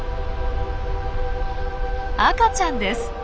赤ちゃんです。